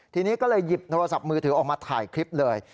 ทีนี้ก็เลยหยิบโทรศัพท์มือถือออกมาถ่ายคลิปเลย